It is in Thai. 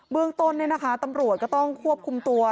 เมืองต้นตำรวจก็ต้องควบคุมตัว